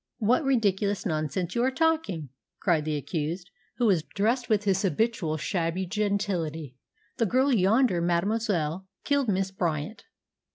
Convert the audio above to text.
"What ridiculous nonsense you are talking!" cried the accused, who was dressed with his habitual shabby gentility. "The girl yonder, mademoiselle, killed Miss Bryant."